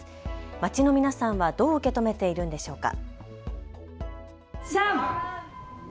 街の皆さんはどう受け止めているんでしょうか。